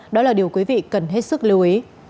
đó là điều quý vị cần hết sức lưu ý